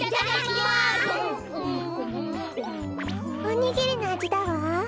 おにぎりのあじだわ。